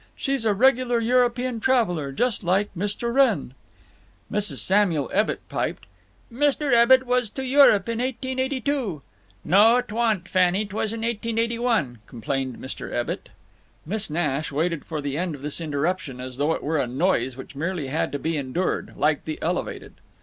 She's a regular European traveler, just like Mr. Wrenn." Mrs. Samuel Ebbitt piped: "Mr. Ebbitt was to Europe. In 1882." "No 'twa'n't, Fannie; 'twas in 1881," complained Mr. Ebbitt. Miss Nash waited for the end of this interruption as though it were a noise which merely had to be endured, like the Elevated.